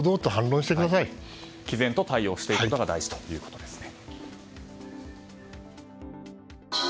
毅然と対応していくことが大事ということですね。